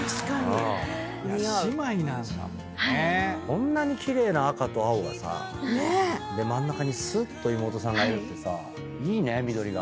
こんなに奇麗な赤と青がさ。で真ん中にすっと妹さんがいるってさいいね緑があって。